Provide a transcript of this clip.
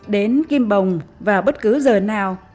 đến kim bồng vào bất cứ giờ nào